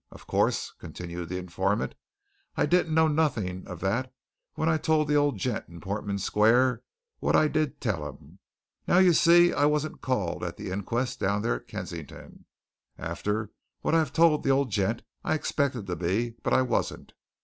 Of course," continued the informant, "I didn't know nothing of that when I told the old gent in Portman Square what I did tell him. Now, you see, I wasn't called at that inquest down there at Kensington after what I'd told the old gent, I expected to be, but I wasn't.